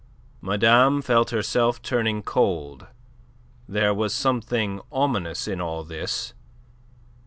Madame felt herself turning cold. There was something ominous in all this.